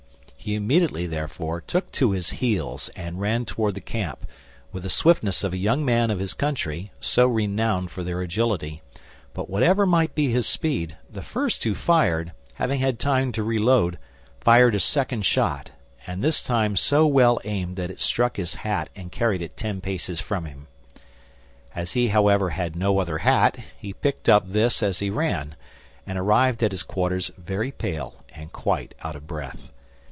He immediately, therefore, took to his heels and ran toward the camp, with the swiftness of the young men of his country, so renowned for their agility; but whatever might be his speed, the first who fired, having had time to reload, fired a second shot, and this time so well aimed that it struck his hat, and carried it ten paces from him. As he, however, had no other hat, he picked up this as he ran, and arrived at his quarters very pale and quite out of breath.